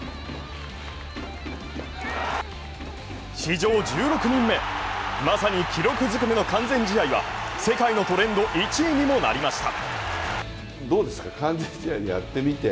史上１６人目、まさに記録ずくめの完全試合は世界のトレンド１位にもなりました。